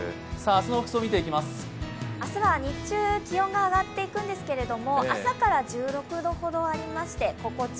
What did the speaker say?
明日は日中気温が上がっていくんですけれども、朝から１６度ほどありまして、心地